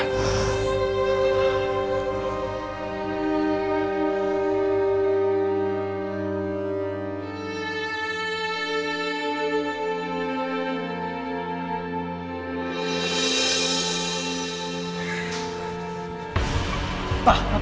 sampai jumpa lagi